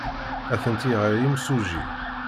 Atenti ɣer yimsujji.